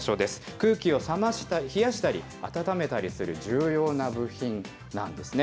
空気を冷やしたり暖めたりする重要な部品なんですね。